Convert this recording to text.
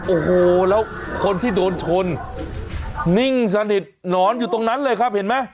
โอ้โหแล้วคนที่โดนชนนิ่งสนิทหนอนอยู่ตรงนั้นเลยครับเห็นไหม